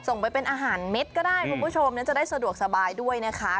ส่งไปเป็นอาหารเม็ดก็ได้คุณผู้ชมนั้นจะได้สะดวกสบายด้วยนะคะ